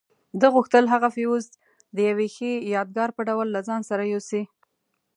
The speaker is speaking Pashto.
ده غوښتل هغه فیوز د یوې ښې یادګار په ډول له ځان سره یوسي.